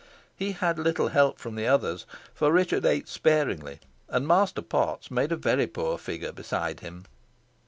He had little help from the others, for Richard ate sparingly, and Master Potts made a very poor figure beside him.